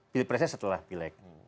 pilpresnya setelah pileg